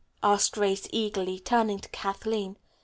asked Grace eagerly, turning to Kathleen.